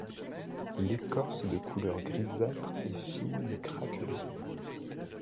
L’écorce de couleur grisâtre est fine et craquelée.